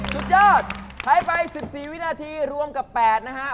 สุดยอดใช้ไป๑๔วินาทีรวมกับ๘นะฮะ